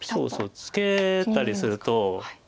ツケたりすると。